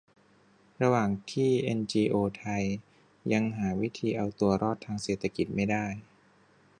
ระหว่างที่เอ็นจีโอไทยยังหาวิธีเอาตัวรอดทางเศรษฐกิจไม่ได้